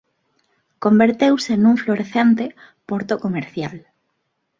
Converteuse nun florecente porto comercial.